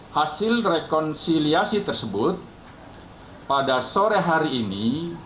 hasil rekonsiliasi tersebut pada sore hari ini